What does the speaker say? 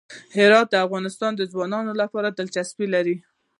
هرات د افغان ځوانانو لپاره دلچسپي لري.